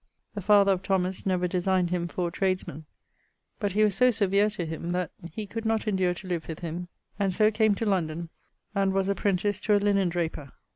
The father of Thomas never designed him for a tradesman, but he was so severe to him he could not endure to live with him and so came to London and was apprentice to a linnen draper.